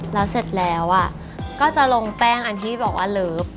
แล้วเสร็จแล้วก็จะลงแป้งอันที่บอกว่าเลิฟ